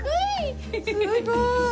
すごい！